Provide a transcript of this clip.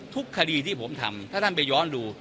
ทุกคดีที่ผมทำถ้าท่านไปย้อนดู